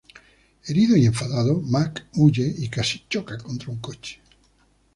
Herido y enfadado, Mac huye y casi choca contra un coche.